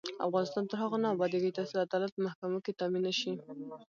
افغانستان تر هغو نه ابادیږي، ترڅو عدالت په محکمو کې تامین نشي.